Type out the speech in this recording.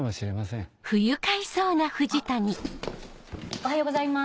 おはようございます。